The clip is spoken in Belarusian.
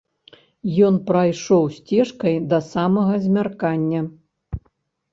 Ён прайшоў сцежкай да самага змяркання.